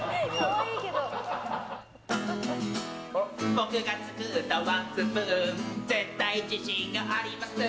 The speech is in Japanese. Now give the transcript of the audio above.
僕が作ったワンスプーン絶対自信があります！